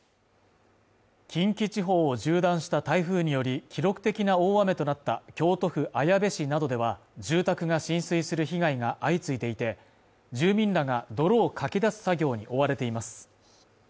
近畿地方を縦断した台風により記録的な大雨となった京都府綾部市などでは住宅が浸水する被害が相次いでいて住民らが泥をかき出す作業に追われています